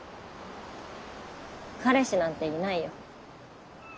彼氏なんていないよ。